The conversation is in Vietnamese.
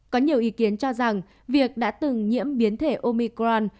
có nhiều ý kiến cho rằng việc đã từng nhiễm biến thể omicron